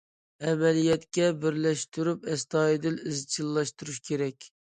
ئەمەلىيەتكە بىرلەشتۈرۈپ ئەستايىدىل ئىزچىللاشتۇرۇش كېرەك.